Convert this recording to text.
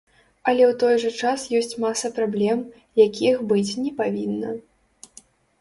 Але ў той жа час ёсць маса праблем, якіх быць не павінна.